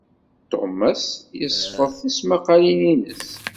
Ṭumas yesfeḍ tismaqalin-ines.